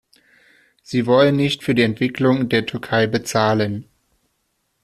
Sie wollen nicht für die Entwicklung der Türkei bezahlen.